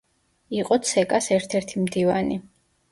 იყო ცეკა-ს ერთ-ერთი მდივანი.